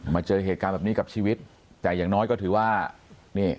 เจอเหตุการณ์แบบนี้กับชีวิตแต่อย่างน้อยก็ถือว่านี่